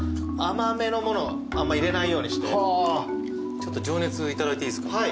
ちょっと情熱いただいていいですか？